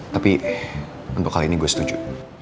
tapi untuk kali ini gue setuju